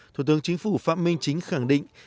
thủ tướng chính phủ phạm minh chính khẳng định